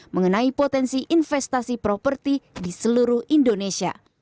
mengenai potensi investasi properti di seluruh indonesia